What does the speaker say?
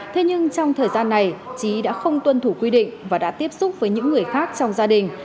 thế nhưng trong thời gian này trí đã không tuân thủ quy định và đã tiếp xúc với những người khác trong gia đình